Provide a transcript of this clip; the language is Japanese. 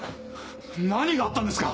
何があったんですか！